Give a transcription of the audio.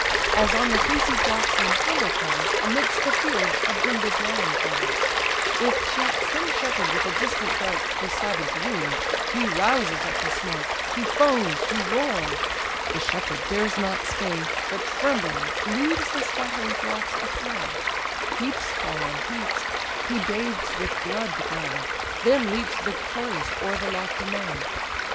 As on the fleecy flocks when hunger calls, Amidst the field a brindled lion falls; If chance some shepherd with a distant dart The savage wound, he rouses at the smart, He foams, he roars; the shepherd dares not stay, But trembling leaves the scattering flocks a prey; Heaps fall on heaps; he bathes with blood the ground, Then leaps victorious o'er the lofty mound.